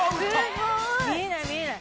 すごい！見えない見えない。